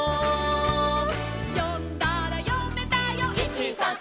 「よんだらよめたよ」